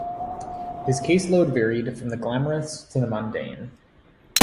His case load varied from the glamorous to the mundane.